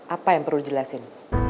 apa yang perlu dijelasin